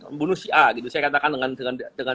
membunuh si a gitu saya katakan dengan